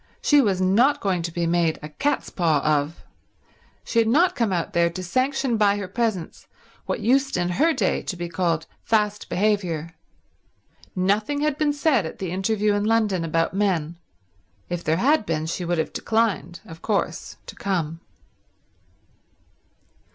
She was not going to be made a cat's paw of. She had not come out there to sanction by her presence what used in her day to be called fast behaviour. Nothing had been said at the interview in London about men; if there had been she would have declined, of course to come.